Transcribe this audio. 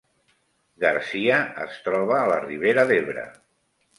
Garcia es troba a la Ribera d’Ebre